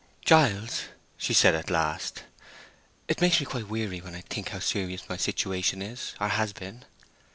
"Giles," she said, at last, "it makes me quite weary when I think how serious my situation is, or has been.